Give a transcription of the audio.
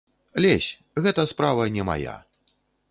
Лезь, гэта справа не мая.